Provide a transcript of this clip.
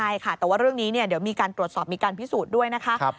ใช่ค่ะแต่ว่าเรื่องนี้เดี๋ยวมีการตรวจสอบมีการพิสูจน์ด้วยนะคะ